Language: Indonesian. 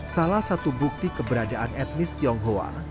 salah satu bukti keberadaan etnis tionghoa